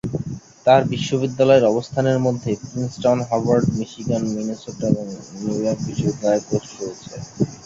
তার বিশ্ববিদ্যালয়ের অবস্থানের মধ্যে প্রিন্সটন, হার্ভার্ড, মিশিগান, মিনেসোটা এবং নিউ ইয়র্ক বিশ্ববিদ্যালয়ের পোস্ট রয়েছে।